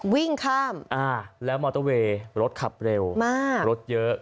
วิ่งข้ามอ่าแล้วมอเตอร์เวย์รถขับเร็วมากรถเยอะ